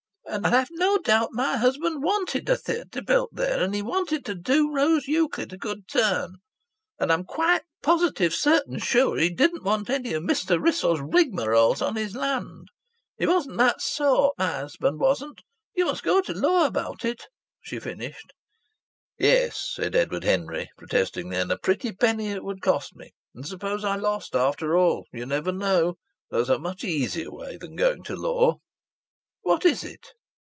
"And I've no doubt my husband wanted a theatre built there, and he wanted to do Rose Euclid a good turn. And I'm quite positive certain sure that he didn't want any of Mr. Wrissell's rigmaroles on his land. He wasn't that sort, my husband wasn't.... You must go to law about it," she finished. "Yes," said Edward Henry, protestingly. "And a pretty penny it would cost me! And supposing I lost, after all?... You never know. There's a much easier way than going to law," "What is it?"